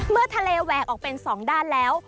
เมื่อทะเลแหวกออกเป็น๒ด้านแล้ว